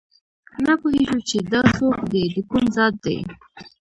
نه پوهېږو چې دا څوک دي دکوم ذات دي